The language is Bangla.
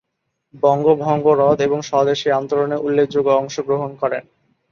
বঙ্গভঙ্গ রদ এবং স্বদেশী আন্দোলনে উল্লেখযোগ্য অংশগ্রহণ করেন।